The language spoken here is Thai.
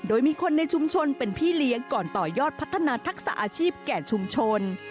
โดยมีคนในชุมชนเป็นพี่เลี้ยงก่อนต่อยอดพัฒนาทักษะอาชีพแก่ชุมชน